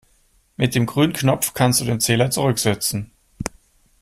Mit dem grünen Knopf kannst du den Zähler zurücksetzen.